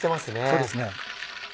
そうですね。